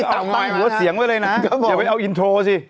เอาง่อยนะฮะเดี๋ยวไปเอาอินโทรสิ